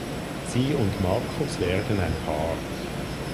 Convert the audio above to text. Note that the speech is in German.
Sie und Markus werden ein Paar.